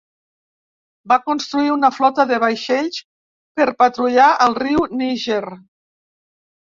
Va construir una flota de vaixells per patrullar el riu Níger.